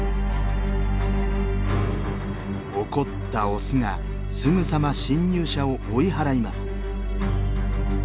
怒ったオスがすぐさま侵入者を追い払います。